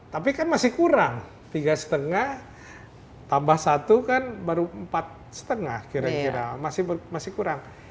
tapi kan masih kurang tiga lima tambah satu kan baru empat lima kira kira masih kurang